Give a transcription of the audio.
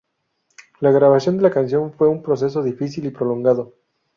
La grabación de la canción fue un proceso difícil y prolongado.